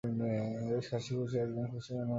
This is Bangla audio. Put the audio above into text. বেশ হাসিখুশি একজন খুনি মনে হচ্ছে না?